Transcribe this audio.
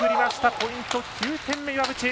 ポイント、９点目、岩渕。